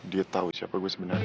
dia tahu siapa gue sebenarnya